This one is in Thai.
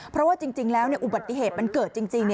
เพราะว่าจริงแล้วอุบัติเหตุมันเกิดจริง